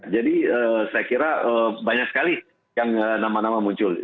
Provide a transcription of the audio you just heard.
jadi saya kira banyak sekali yang nama nama muncul